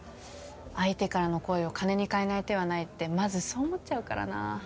相手からの好意を金に換えない手はないってまずそう思っちゃうからな。